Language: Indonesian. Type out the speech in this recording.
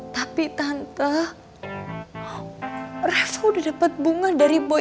tapi tante rasa udah dapat bunga dari boy